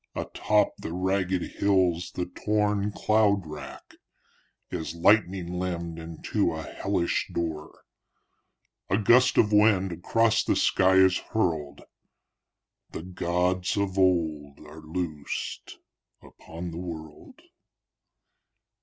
Â Â Atop the ragged hills the torn cloud wrack Â Â Â Â Is lightning limned into a hellish door. Â Â Â Â Â Â A gust of wind across the sky is hurledâ Â Â Â Â Â Â The gods of old are loosed upon the world.